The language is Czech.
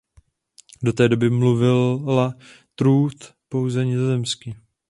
Do té doby mluvila Truth pouze nizozemsky.